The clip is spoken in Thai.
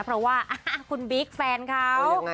เพราะว่าคุณบิ๊กแฟนเขา